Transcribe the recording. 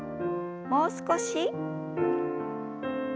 もう少し。